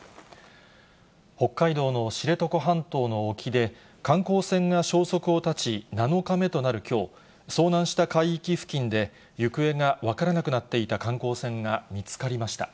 北海道の知床半島の沖で、観光船が消息を絶ち、７日目となるきょう、遭難した海域付近で、行方が分からなくなっていた観光船が見つかりました。